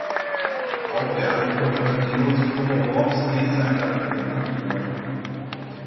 Auch der Anführer Tadeusz Komorowski sei darin genannt worden.